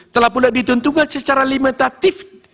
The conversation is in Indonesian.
telahpun ditentukan secara limitatif